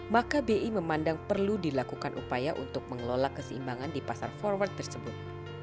maka bi memandang perlu dilakukan upaya untuk mengelola keseimbangan di pasar forward tersebut